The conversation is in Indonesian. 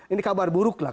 ini kabar buruklah